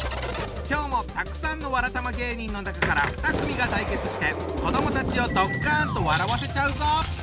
今日もたくさんのわらたま芸人の中から２組が対決して子どもたちをドッカンと笑わせちゃうぞ！